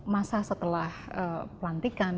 masa setelah pelantikan